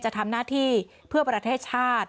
จะทำหน้าที่เพื่อประเทศชาติ